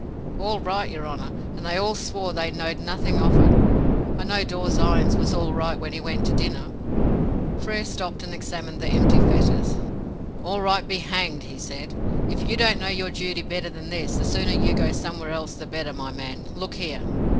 "All right, your honour; and they all swore they knowed nothing of it. I know Dawes's irons was all right when he went to dinner." Frere stopped and examined the empty fetters. "All right be hanged," he said. "If you don't know your duty better than this, the sooner you go somewhere else the better, my man. Look here!"